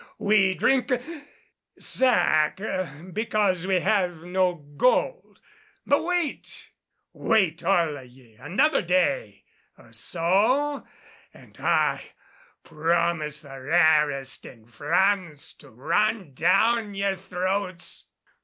We drink hic sack because we have no gold. But wait! Wait all of ye another day or so an' I promise the rarest in France to run down ye're throats.